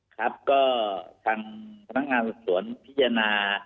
ครับก็ทางพนักงานสวนพิจารณา